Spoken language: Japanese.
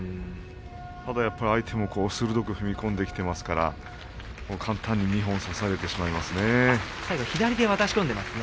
ただやっぱり相手も鋭く踏み込んできていますから簡単に二本差されてしまいますね。